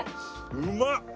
うまっ！